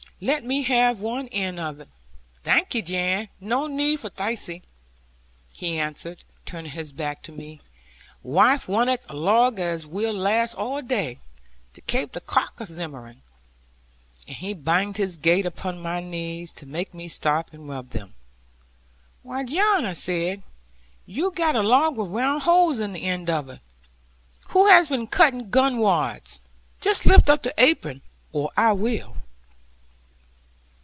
Let me have one end of it.' 'Thank'e, Jan, no need of thiccy,' he answered, turning his back to me; 'waife wanteth a log as will last all day, to kape the crock a zimmerin.' And he banged his gate upon my heels to make me stop and rub them. 'Why, John,' said I, 'you'm got a log with round holes in the end of it. Who has been cutting gun wads? Just lift your apron, or I will.'